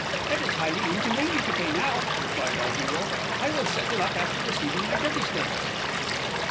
"It is highly inconvenient to pay now," replied our hero, "I will settle up after receiving my Derby Stakes."